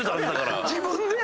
自分でや。